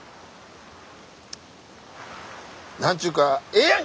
何ちゅうかええやんけ！